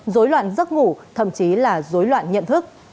dối loạn giấc ngủ thậm chí là dối loạn nhận thức